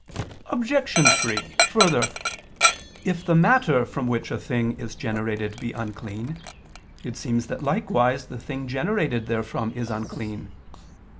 Obj. 3: Further, if the matter from which a thing is generated be unclean, it seems that likewise the thing generated therefrom is unclean.